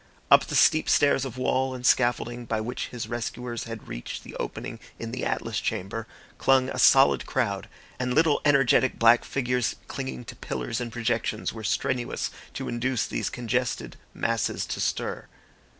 Up the steep stairs of wall and scaffolding by which his rescuers had reached the opening in the Atlas Chamber clung a solid crowd, and little energetic black figures clinging to pillars and projections were strenuous to induce these congested, masses to stir.